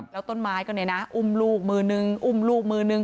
แล้วต้นไม้ก็เนี่ยนะอุ้มลูกมือนึงอุ้มลูกมือนึง